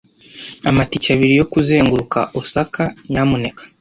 Amatike abiri yo kuzenguruka Osaka, nyamuneka.